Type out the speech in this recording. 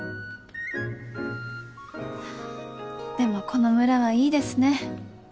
でもこの村はいいですね。